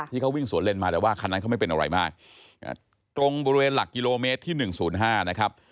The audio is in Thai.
ที่เขาวิ่งสวนเล่นมาแต่ว่าคันนั้นเขาไม่เป็นอะไรมากตรงบริเวณหลักกิโลเมตรที่๑๐๕นะครับ